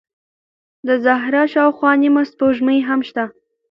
د زهره شاوخوا نیمه سپوږمۍ هم شته.